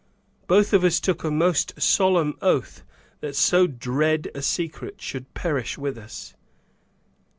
Both of us then took a most solemn oath that so dread a secret should perish with us.